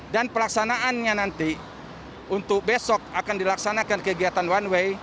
dan pelaksanaannya nanti untuk besok akan dilaksanakan kegiatan one way